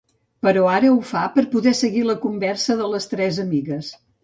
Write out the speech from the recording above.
Però ara ho fa per poder seguir la conversa de les tres amigues.